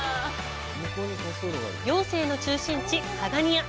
行政の中心地ハガニア。